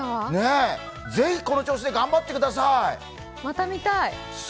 ぜひこの調子で頑張ってください。